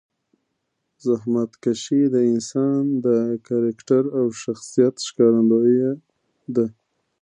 زحمتکشي د انسان د کرکټر او شخصیت ښکارندویه ده.